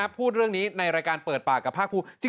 พูดเรื่องนี้ในรายการเปิดปากกับภาคภูมิ